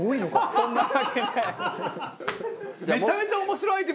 そんなわけない。